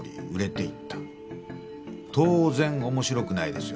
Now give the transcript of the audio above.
当然面白くないですよね。